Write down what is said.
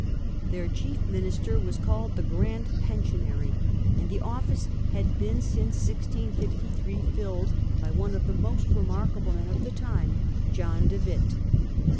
Their of Orange, chief minister was called 'The Grand Pen sionary,* and the office had been since 1653 filled by one of the most remarkable men of the time, John de Witt.